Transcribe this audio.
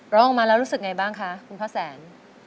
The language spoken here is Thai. ร้องออกมาแล้วรู้สึกไงบ้างคะคุณพ่อแสน